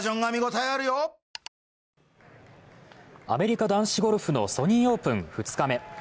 アメリカ男子ゴルフのソニーオープン２日目。